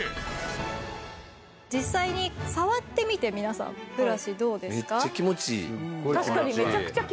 実際に触ってみて皆さんブラシどうですか？